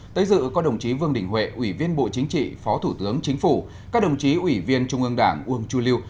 tới dự có đồng chí vương đình huệ ủy viên bộ chính trị phó thủ tướng chính phủ các đồng chí ủy viên trung ương đảng uông chu liêu